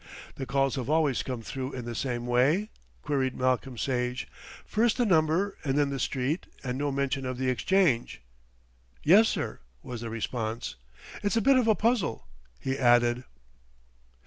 "The calls have always come through in the same way?" queried Malcolm Sage. "First the number and then the street and no mention of the exchange." "Yes, sir," was the response. "It's a bit of a puzzle," he added.